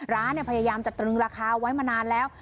พยายามจะตรึงราคาไว้มานานแล้ว